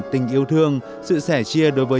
tình yêu thương sự sẻ chia đối với